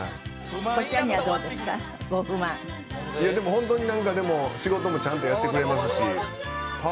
ホントになんかでも仕事もちゃんとやってくれますし。